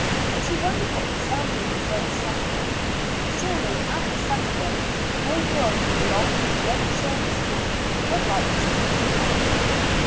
She wondered what Cassandra would say on Saturday. Surely after Saturday no girl who belonged to the Great Shirley School would like to speak to her.